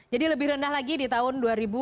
jadi lebih rendah lagi di tahun dua ribu delapan belas